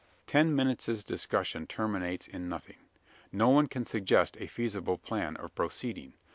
A ten minutes' discussion terminates in nothing. No one can suggest a feasible plan of proceeding.